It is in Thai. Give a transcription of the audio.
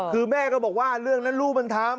คือแม่ก็บอกว่าเรื่องนั้นลูกมันทำ